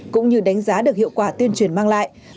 cũng như đánh giá được hiệu quả tuyên truyền mang lại